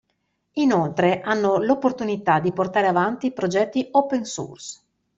Inoltre, hanno l'opportunità di portare avanti progetti Open Source.